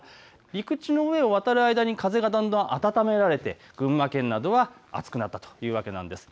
陸地の上を渡る間に風がだんだん温められて群馬県など暑くなったということです。